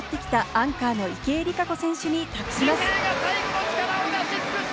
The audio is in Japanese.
アンカーの池江璃花子選手にタッチ、託します。